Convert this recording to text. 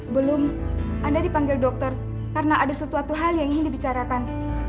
belum anda dipanggil dokter karena ada sesuatu hal yang ingin dibicarakan